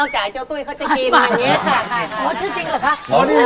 ออกจากอย่างนี้